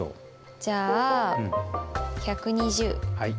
じゃあ１２０。